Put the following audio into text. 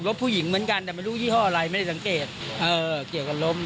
ผู้หญิงเหมือนกันแต่ไม่รู้ยี่ห้ออะไรไม่ได้สังเกตเกี่ยวกับล้ม